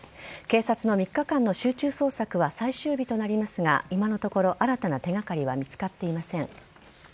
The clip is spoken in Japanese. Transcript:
警察の３日間の集中捜索は最終日となりますが今のところ、新たな手がかりは見つかっていません。